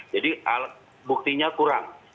jadi buktinya kurang